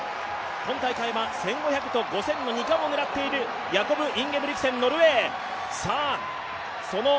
今大会は１５００と２０００の２冠を狙っているヤコブ・インゲブリクセンノルウェー。